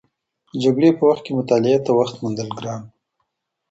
د جګړې په وخت کي مطالعې ته وخت موندل ګران و.